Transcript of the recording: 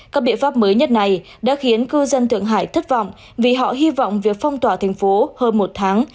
các biện pháp mới nhất này đã khiến cư dân thượng hải thất vọng vì họ hy vọng việc phong tỏa thành phố hơn một tháng